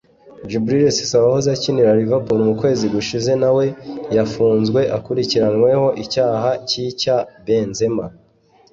Djibril Cisse wahoze ukinira Liverpool mu kwezi gushize na we yafunzwe akurikiranyweho icyaha nk’icya Benzema